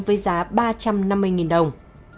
với giá ba trăm năm mươi đồng